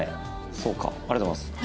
そうかありがとうございます。